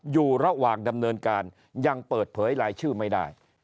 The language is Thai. อยู่ระหว่างดำเนินการยังเปิดเผยรายชื่อไม่ได้